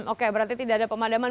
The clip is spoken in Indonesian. oke berarti tidak ada pemadaman